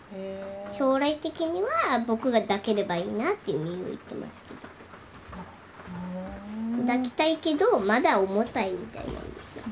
将来的には僕が抱ければいいなって実優は言ってますけど抱きたいけどまだ重たいみたいなんです